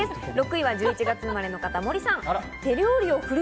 ６位は１１月生まれの方、森さん。